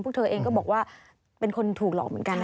พวกเธอเองก็บอกว่าเป็นคนถูกหลอกเหมือนกันนะ